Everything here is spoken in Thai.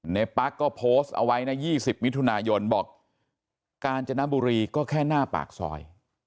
ปั๊กก็โพสต์เอาไว้นะ๒๐มิถุนายนบอกกาญจนบุรีก็แค่หน้าปากซอย